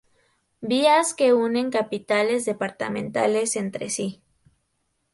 Vías que unen capitales departamentales entre sí.